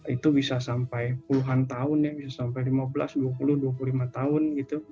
itu bisa sampai puluhan tahun ya bisa sampai lima belas dua puluh dua puluh lima tahun gitu